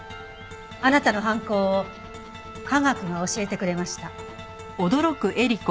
あなたの犯行を科学が教えてくれました。